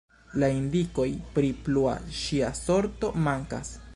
La indikoj pri plua ŝia sorto mankas.